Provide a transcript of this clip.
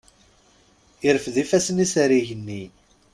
Irfed ifassen-is ar yigenni.